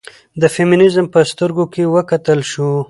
د فيمنيزم په سترګيو کې وکتل شو